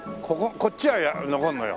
こっちは残るのよ。